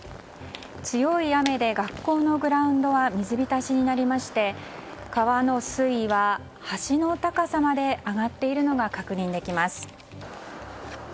強い雨で学校のグラウンドは水浸しになりまして川の水位は橋の高さまで上がっているのが確認できます。